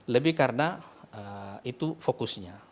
lebih karena itu fokusnya